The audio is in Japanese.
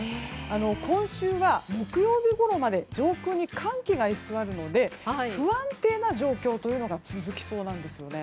今週は木曜日ごろまで上空に寒気が居座るので不安定な状況というのが続きそうなんですよね。